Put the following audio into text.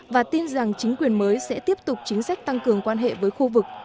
và tin rằng chính quyền mới sẽ tiếp tục chính sách tăng cường quan hệ với khu vực